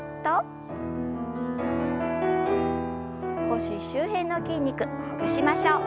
腰周辺の筋肉ほぐしましょう。